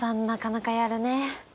なかなかやるね。